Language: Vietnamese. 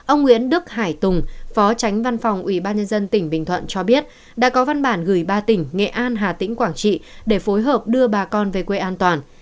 ông nguyễn đức hải tùng phó tránh văn phòng ubnd tỉnh bình thuận cho biết đã có văn bản gửi ba tỉnh nghệ an hà tĩnh quảng trị để phối hợp đưa bà con về quê an toàn